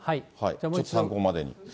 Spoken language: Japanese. ちょっと参考までに。